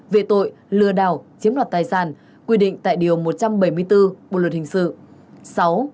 về tội lừa đảo chiếm đoạt tài sản quy định tại điều một trăm bảy mươi bốn bộ luật hình sự